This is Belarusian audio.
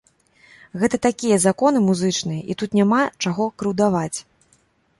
Гэта такія законы музычныя, і тут няма чаго крыўдаваць.